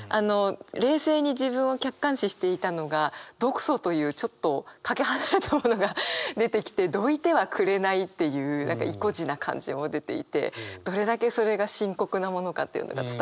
冷静に自分を客観視していたのが「毒素」というちょっとかけ離れたものが出てきて「どいてはくれない」っていういこじな感じも出ていてどれだけそれが深刻なものかというのが伝わってくるなと思いました。